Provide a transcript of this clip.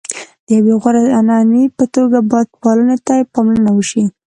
د یوې غوره عنعنې په توګه باید پالنې ته یې پاملرنه وشي.